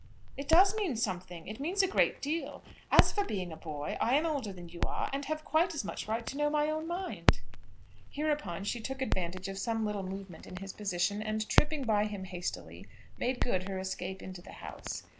"It does mean something. It means a great deal. As for being a boy, I am older than you are, and have quite as much right to know my own mind." Hereupon she took advantage of some little movement in his position, and, tripping by him hastily, made good her escape into the house.